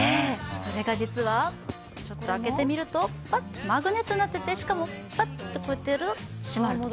それが実は、ちょっと開けてみるとマグネットになっていましてしかも、ぱっとやるとしまると。